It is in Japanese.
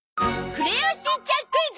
『クレヨンしんちゃん』クイズ！